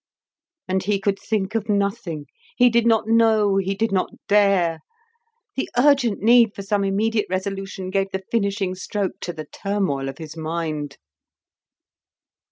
And he could think of nothing; he did not know, he did not dare; the urgent need for some immediate resolution gave the finishing stroke to the turmoil of his mind.